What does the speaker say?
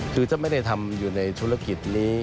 คือถ้าไม่ได้ทำอยู่ในธุรกิจนี้